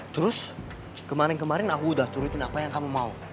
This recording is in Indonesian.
terus kemarin kemarin aku udah turutin apa yang kamu mau